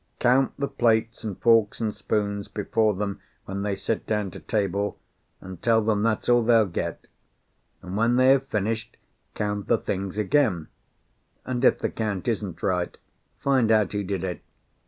"Count the plates and forks and spoons before them when they sit down to table, and tell them that's all they'll get; and when they have finished, count the things again, and if the count isn't right, find out who did it.